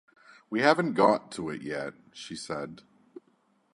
"We haven't got to it yet," she said.